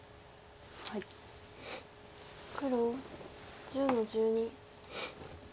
黒１０の十二。